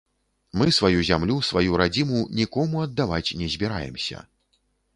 Мы сваю зямлю, сваю радзіму нікому аддаваць не збіраемся.